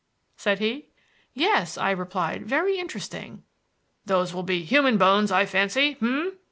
said he. "Yes," I replied. "Very interesting." "Those will be human bones, I fancy; h'm?"